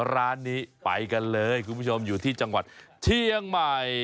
ร้านนี้ไปกันเลยคุณผู้ชมอยู่ที่จังหวัดเชียงใหม่